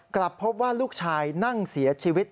กลับพบว่าลูกชายนั่งเสียชีวิต